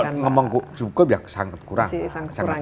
kalau ngomong cukup ya sangat kurang